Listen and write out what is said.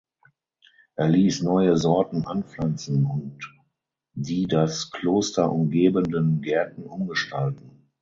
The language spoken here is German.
Er ließ neue Sorten anpflanzen und die das Kloster umgebenden Gärten umgestalten.